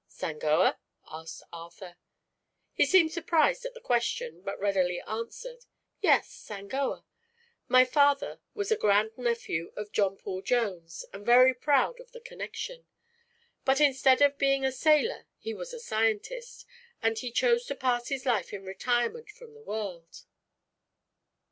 "Sangoa?" asked Arthur. He seemed surprised at the question but readily answered: "Yes; Sangoa. My father was a grandnephew of John Paul Jones and very proud of the connection; but instead of being a sailor he was a scientist, and he chose to pass his life in retirement from the world."